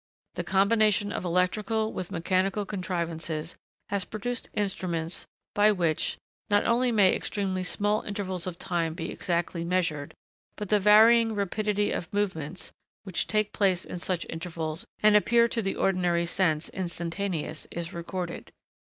The combination of electrical with mechanical contrivances has produced instruments by which, not only may extremely small intervals of time be exactly measured, but the varying rapidity of movements, which take place in such intervals and appear to the ordinary sense instantaneous, is recorded.